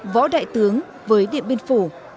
võ đại tướng với địa biên phủ